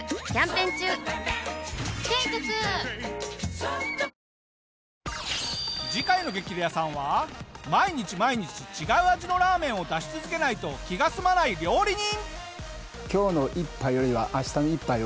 ペイトク次回の『激レアさん』は毎日毎日違う味のラーメンを出し続けないと気が済まない料理人！